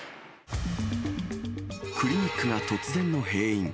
クリニックが突然の閉院。